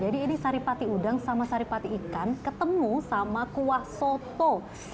jadi ini saripati udang sama saripati ikan ketemu sama kuah soto